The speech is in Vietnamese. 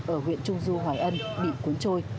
ở huyện trung du hoài ân bị cuốn trôi